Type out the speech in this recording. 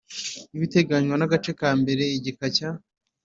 N ibiteganywa n agace ka mbere igika cya